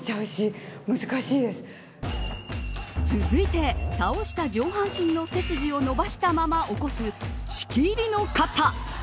続いて、倒した上半身の背筋を伸ばしたまま起こす仕切りの型。